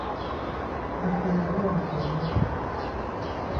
และเคยร่วงถึง